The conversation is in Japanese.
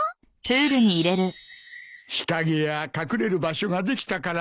日陰や隠れる場所ができたから。